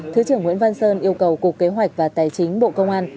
thứ trưởng nguyễn văn sơn yêu cầu cục kế hoạch và tài chính bộ công an